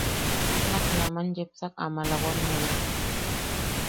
Nakbea aman yepsak malawamewi.